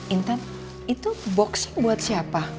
intent itu boxnya buat siapa